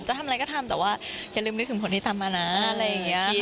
จะทำอะไรก็ทำแต่ว่าอย่าลืมนึกถึงคนที่ทำมานะอะไรอย่างนี้